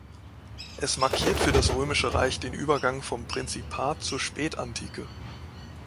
Es markiert für das Römische Reich den Übergang vom Prinzipat zur Spätantike.